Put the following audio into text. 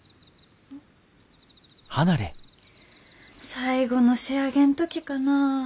最後の仕上げん時かなあ。